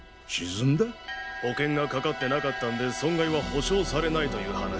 保険がかかってなかったんで損害は補償されないという話だ。